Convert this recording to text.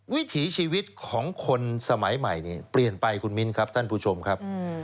วิถีชีวิตของคนสมัยใหม่เนี่ยเปลี่ยนไปคุณมิ้นครับท่านผู้ชมครับ